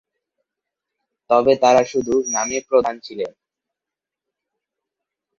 তবে তারা শুধু নামে প্রধান ছিলেন।